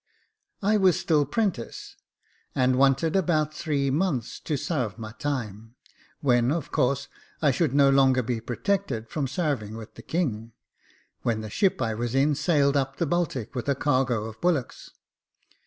I was still 'prentice, and wanted about three months to sarve my time, when, of course, I should no longer be protected from sarving the king, when the ship I was in sailed up the Baltic with a cargo of bullocks.